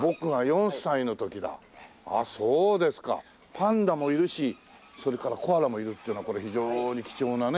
パンダもいるしそれからコアラもいるっていうのはこれ非常に貴重なね